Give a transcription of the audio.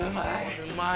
うまい。